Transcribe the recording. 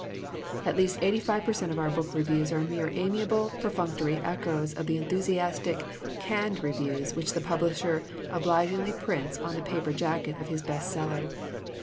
"At least eighty five per cent, of our book re views are mere amiable, perfunctory echoes of the enthusiastic 'canned' review which the publisher obligingly prints on the paper jacket of his best seller.